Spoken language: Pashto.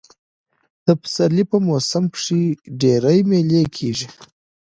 د پسرلي په موسم کښي ډېرئ مېلې کېږي.